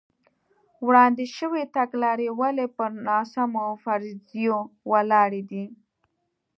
وړاندې شوې تګلارې ولې پر ناسمو فرضیو ولاړې دي.